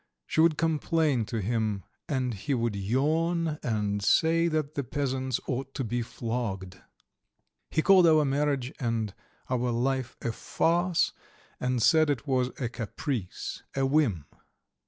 She would complain to him, and he would yawn and say that the peasants ought to be flogged. He called our marriage and our life a farce, and said it was a caprice, a whim.